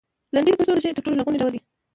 لنډۍ د پښتو د شعر تر ټولو لرغونی ډول دی.